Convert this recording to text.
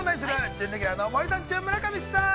準レギュラーの森三中、村上さん。